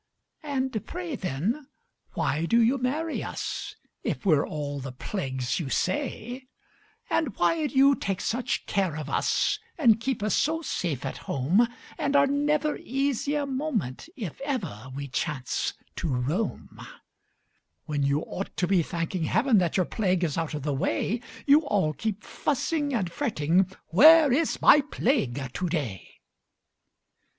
And pray, then, why do you marry us, If we're all the plagues you say? And why do you take such care of us, And keep us so safe at home, And are never easy a moment If ever we chance to roam? When you ought to be thanking Heaven That your plague is out of the way, You all keep fussing and fretting "Where is my Plague to day?"